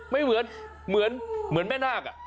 ไม่เหมือนแม่นาค